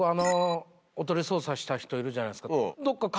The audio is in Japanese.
おとり捜査した人いるじゃないですか。